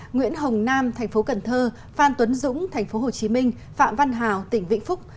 nguyễn hồng nam tp cn phan tuấn dũng tp hcm phạm văn hào tỉnh vĩnh phúc